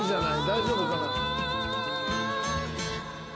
大丈夫かな？